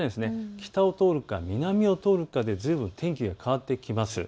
北を通るか南を通るかで、ずいぶん天気が変わってきます。